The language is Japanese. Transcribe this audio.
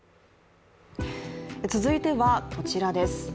続いてはこちらです。